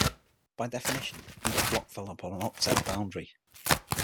By definition, each block fell upon an octet boundary.